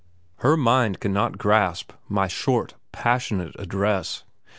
Her mind cannot grasp my short, passionate address.